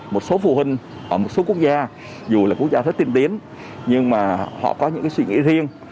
một số phụ huynh ở một số quốc gia dù là quốc gia rất tiên tiến nhưng mà họ có những suy nghĩ riêng